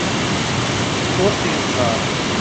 Ur t-yeẓẓar.